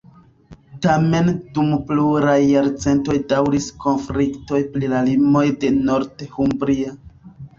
Tamen dum pluraj jarcentoj daŭris konfliktoj pri la limoj de Northumbria.